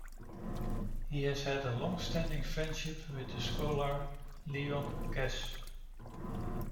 He has had a long-standing friendship with the scholar Leon Kass.